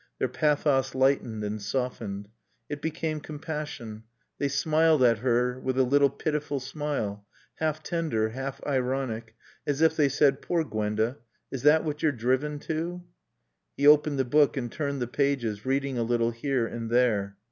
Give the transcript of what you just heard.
Their pathos lightened and softened; it became compassion; they smiled at her with a little pitiful smile, half tender, half ironic, as if they said, "Poor Gwenda, is that what you're driven to?" He opened the book and turned the pages, reading a little here and there.